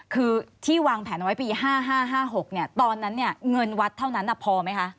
คือที่วางแผนเอาไว้ปี๕๕๖ตอนนั้นเงินวัดเท่านั้นพอไหมคะ